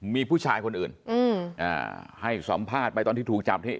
มีผู้ชายคนอื่นให้สัมภาษณ์ไปตอนที่ถูกจับที่